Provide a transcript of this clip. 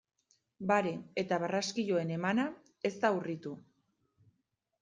Bare eta barraskiloen emana ez da urritu.